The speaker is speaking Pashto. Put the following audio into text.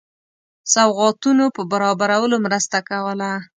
سوغاتونو په برابرولو مرسته کوله.